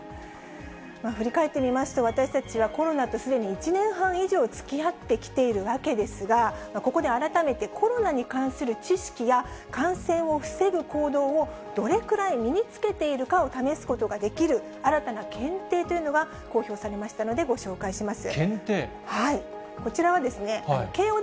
振り返ってみますと、私たちはコロナとすでに１年半以上、つきあってきているわけですが、ここで改めて、コロナに関する知識や、感染を防ぐ行動をどれくらい身につけているかを試すことができる、新たな検定というのが公表されましたので、ご紹介します。